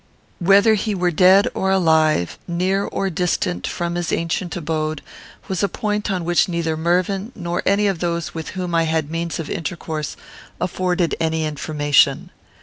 Whether he were dead or alive, near or distant from his ancient abode, was a point on which neither Mervyn, nor any of those with whom I had means of intercourse, afforded any information.